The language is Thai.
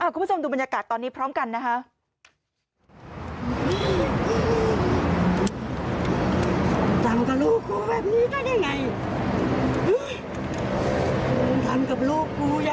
คุณผู้ชมดูบรรยากาศตอนนี้พร้อมกันนะคะ